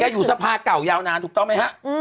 อยู่สภาเก่ายาวนานถูกต้องไหมฮะ